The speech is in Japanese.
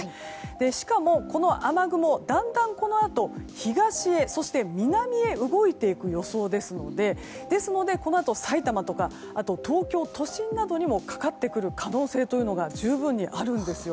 しかも、この雨雲だんだんこのあと東へそして南へ動いていく予想ですのでこのあと、埼玉や東京都心にもかかってくる可能性というのが十分にあるんですよ。